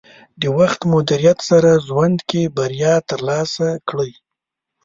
د وخت مدیریت سره ژوند کې بریا ترلاسه کړئ.